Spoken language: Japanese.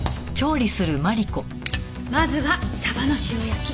まずは鯖の塩焼き。